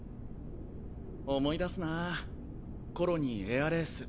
思い出すなぁコロニーエアレース。